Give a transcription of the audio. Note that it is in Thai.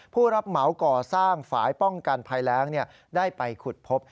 ผู้รับเหมาก่อสร้างฝ่ายป้องกันภัยแรงได้ไปขุดพบ